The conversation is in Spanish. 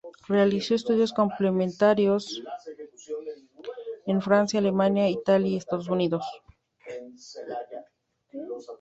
Realizó estudios complementarios en Francia, Alemania, Italia y Estados Unidos.